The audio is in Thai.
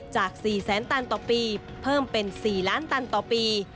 จาก๔แสนตันต่อปีเพิ่มเป็น๔ล้านตันต่อปี